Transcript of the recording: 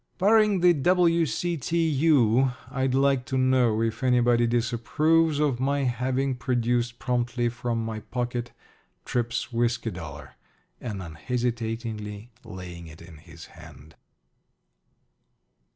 Barring the W. C. T. U., I'd like to know if anybody disapproves of my having produced promptly from my pocket Tripp's whiskey dollar and unhesitatingly laying it in his hand.